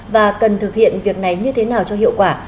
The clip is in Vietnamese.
và cần thực hiện việc này như thế nào cho hiệu quả